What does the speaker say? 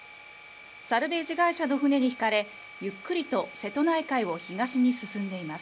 サルベージ会社の船に引かれ、ゆっくりと瀬戸内海を東に進んでいます。